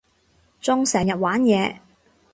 仲成日玩嘢